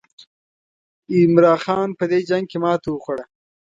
عمرا خان په دې جنګ کې ماته وخوړه.